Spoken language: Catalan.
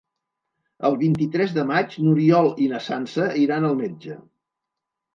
El vint-i-tres de maig n'Oriol i na Sança iran al metge.